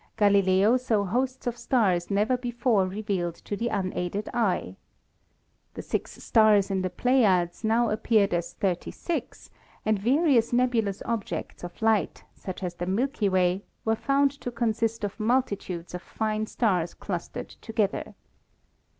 Galileo saw hosts of stars never before revealed to the unaided eye. The six stars in the Pleiades now appeared as 36, and various nebulous objects of light, such as the Milky Way, were found to consist of multitudes of fine stars clustered together.